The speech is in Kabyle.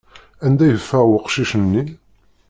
Anda i yeffeɣ weqcic-nni?